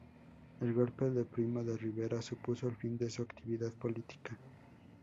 El golpe de Primo de Rivera supuso el fin de su actividad política.